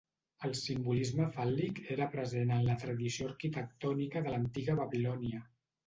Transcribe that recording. El simbolisme fàl·lic era present en la tradició arquitectònica de l'antiga Babilònia.